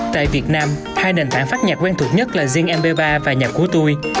tại việt nam hai nền tảng phát nhạc quen thuộc nhất là zing mp ba và nhạc của tui